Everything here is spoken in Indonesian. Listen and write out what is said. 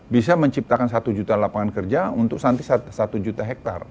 bisa menciptakan satu juta lapangan kerja untuk nanti satu juta hektare